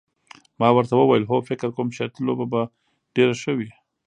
ما ورته وویل هو فکر کوم شرطي لوبه به ډېره ښه وي.